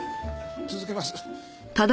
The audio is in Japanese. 続けます。